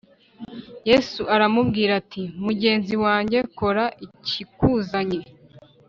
Yesu aramubwira ati “Mugenzi wanjye, kora ikikuzanye.”